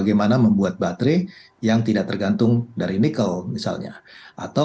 yang mana mungkin kita akan sudah memanggil itu